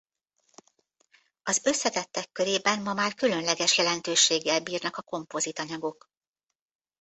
Az összetettek körében ma már különleges jelentőséggel bírnak a kompozit anyagok.